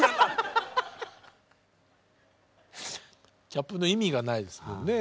キャップの意味がないですもんね。